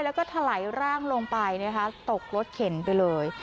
แล้วก็ถลายร่างลงไปนะคะตกรถเข็นไปเลย